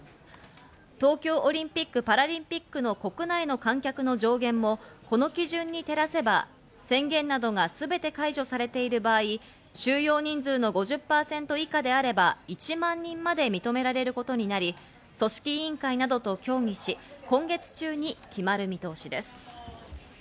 東京オリンピック・パラリンピックの国内の観客の上限もこの基準に照らせば、宣言などがすべて解除されている場合、収容人数の５０％以下であれば１万人まで認められることになり、組織委員会などと協議し、今月中に決まる見通しです。